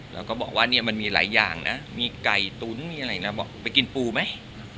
แล้วก็บอกว่าเนี่ยมันมีหลายอย่างนะมีไก่ตุ๋นมีอะไรนะบอกไปกินปูไหม